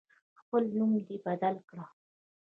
خپل نوم دی بدل کړي.